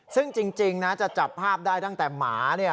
ซึ่งจริงนะจะจับภาพได้ตั้งแต่หมาเนี่ย